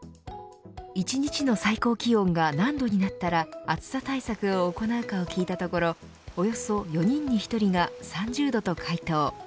１日の最高気温が何度になったら暑さ対策を行うかを聞いたところおよそ４人に１人が３０度と回答。